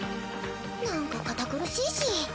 なんか堅苦しいし。